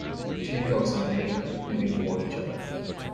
Two dogs on pavement moving toward each other.